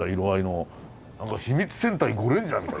何か「秘密戦隊ゴレンジャー」みたいだね。